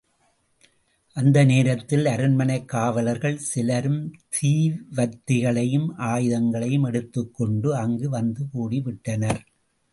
அந்த நேரத்தில் அரண்மனைக் காவலர்கள் சிலரும் தீவர்த்திகளையும் ஆயுதங்களையும் எடுத்துக்கொண்டு, அங்கு வந்து கூடிவிட்டனர்.